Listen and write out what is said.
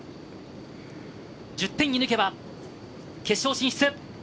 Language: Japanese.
１０点射抜けば決勝進出。